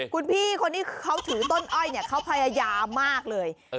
คุณพี่คนที่เขาถือต้นอ้อยเนี่ยเขาพยายามมากเลย